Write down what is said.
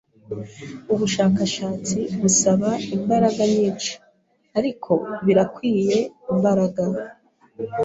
Ubushakashatsi busaba imbaraga nyinshi, ariko birakwiye imbaraga.